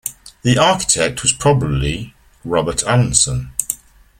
The architect was probably Robert Allanson.